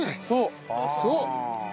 そう！